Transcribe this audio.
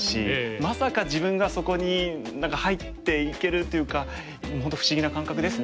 まさか自分がそこに何か入っていけるというかもう本当不思議な感覚ですね。